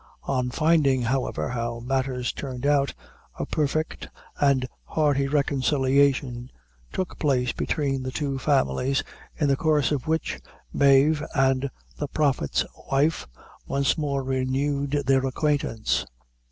On finding, however, how matters turned out, a perfect and hearty reconciliation took place between the two families, in the course of which Mave and the Prophet's wife once more renewed their acquaintance.